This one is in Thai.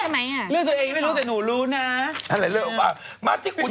ก็ยังไม่ได้บอกว่าเริ่มใช่ไหมอะเรื่องตัวเองไม่รู้แต่หนูรู้นะ